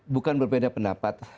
bukan berbeda pendapat